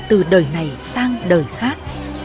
từ đời này sang đời khác